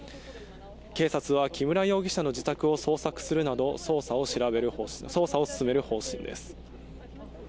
警察は木村容疑者の自宅を捜索するなど、捜査を進める方針です。